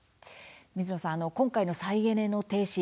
水野さん、今回の再エネの停止